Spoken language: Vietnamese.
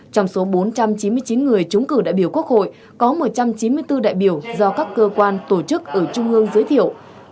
trong số bốn trăm chín mươi chín người chúng cử đại biểu quốc hội có một trăm chín mươi bốn đại biểu do các cơ quan tổ chức ở trung ương giới thiệu